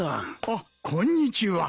あっこんにちは。